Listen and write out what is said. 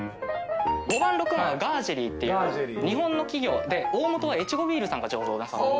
５番６番はガージェリーっていう日本の企業で大本はエチゴビールさんが醸造なさってます。